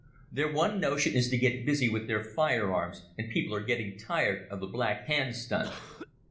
Their one notion is to get busy with their firearms, and people are getting tired of the Black Hand stunt.